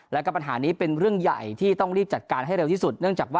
แล้วก็ปัญหานี้เป็นเรื่องใหญ่ที่ต้องรีบจัดการให้เร็วที่สุด